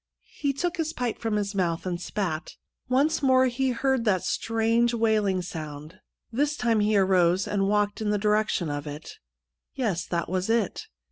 He took his pipe from his mouth and spat. Once more he heard that strange wailing sound ; this time he arose, and walked in the direction of it. Yes, that was it.